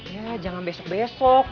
ya jangan besok besok